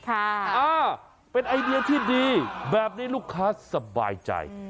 อ่าเป็นไอเดียที่ดีแบบนี้ลูกค้าสบายใจ